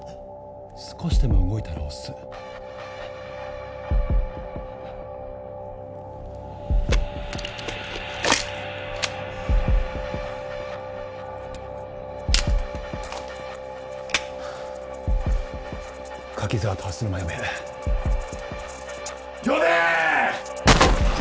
少しでも動いたら押す柿沢と蓮沼呼べ呼べー！